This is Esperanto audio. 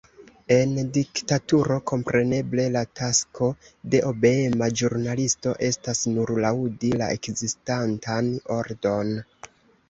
En diktaturo kompreneble la tasko de obeema ĵurnalisto estas nur laŭdi la ekzistantan ordon.